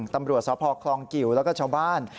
ตำรวจสพคลองกิวแล้วก็ชาวบ้าน